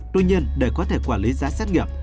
tuy nhiên để có thể quản lý giá xét nghiệm